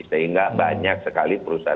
sehingga banyak sekali perusahaan